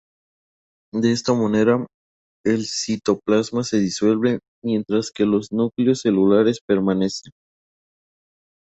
De esta manera, el citoplasma se disuelve, mientras que los núcleos celulares permanecen.